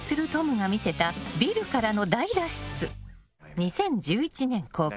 ２０１１年公開